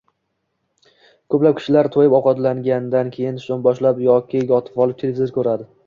Ko‘p kishilar to‘yib ovqatlangandan keyin yonboshlab yoki yotib televizor ko‘radi.